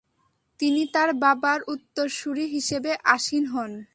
তিনি তাঁর বাবার উত্তরসূরি হিসেবে আসীন হন।